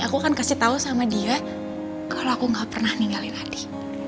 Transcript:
aku akan kasih tahu sama dia kalau aku gak pernah ninggalin adi